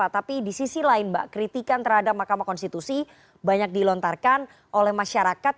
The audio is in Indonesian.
tapi di sisi lain mbak kritikan terhadap mahkamah konstitusi banyak dilontarkan oleh masyarakat